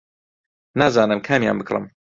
نازانم کامیان بکڕم.